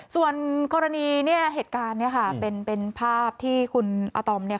ส่วนกรณีเนี่ยเหตุการณ์เนี่ยค่ะเป็นภาพที่คุณอาตอมเนี่ย